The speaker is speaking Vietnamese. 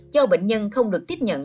do bệnh nhân không được tiếp nhận